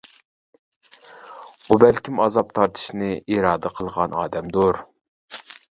ئۇ بەلكىم ئازاب تارتىشنى ئىرادە قىلغان ئادەمدۇر.